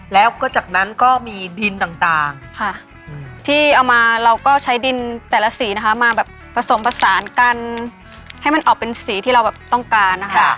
แล้วเริ่มแรกเราต้องปั้นอะไรอย่างไรก่อนคะ